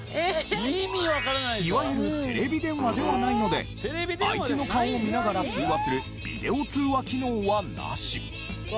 いわゆるテレビ電話ではないので相手の顔を見ながら通話するビデオ通話機能はなし。